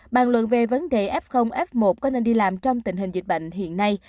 bàn luận về vấn đề f f một có nên đi làm trong tình hình dịch bệnh hiện nay